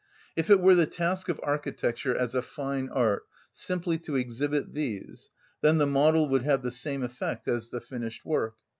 If it were the task of architecture as a fine art simply to exhibit these, then the model would have the same effect as the finished work.